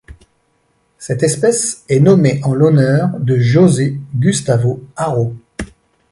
Cette espèce est nommée en l'honneur de José Gustavo Haro.